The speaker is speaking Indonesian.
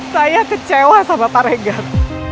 saya kecewa sama pak regan